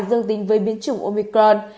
dương tính với biến chủng omicron